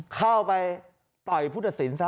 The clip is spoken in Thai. เข้าไปต่อยผู้ดักศิลป์ซะ